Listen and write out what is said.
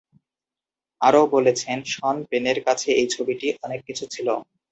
আরও বলেছেন, শন পেনের কাছে এই ছবিটি অনেক কিছু ছিল।